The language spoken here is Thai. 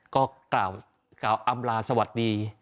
ก็กล่าวอำลาสวัสดี